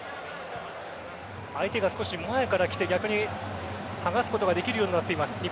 相手が少し前から来て逆に剥がすことができるようになっています。